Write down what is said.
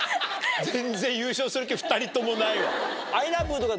全然優勝する気２人ともないわ。